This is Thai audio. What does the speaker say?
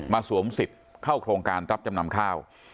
สวมสิทธิ์เข้าโครงการรับจำนำข้าว